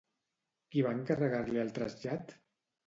Qui va encarregar-li el trasllat?